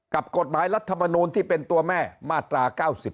กฎหมายรัฐมนูลที่เป็นตัวแม่มาตรา๙๑